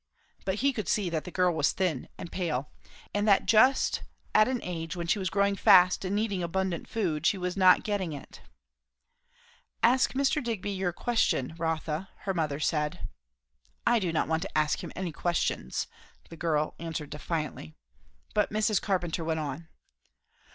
But he could see that the girl was thin, and pale; and that just at an age when she was growing fast and needing abundant food, she was not getting it. "Ask Mr. Digby your question, Rotha," her mother said. "I do not want to ask him any questions," the girl answered defiantly. But Mrs. Carpenter went on.